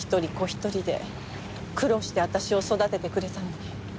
一人で苦労して私を育ててくれたのに。